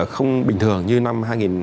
không bình thường như năm hai nghìn hai mươi một